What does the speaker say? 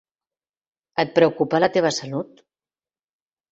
Et preocupa la teva salut?